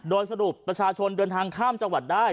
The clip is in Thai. โดยสรุปประชาชนเดินทางข้ามจังหวัดได้